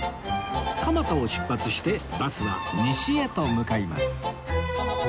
蒲田を出発してバスは西へと向かいます